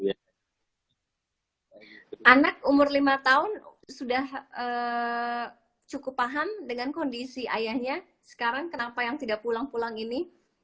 anak umur lima tahun sudah cukup paham dengan kondisi ayahnya sekarang kenapa yang tidak pulang pulang ini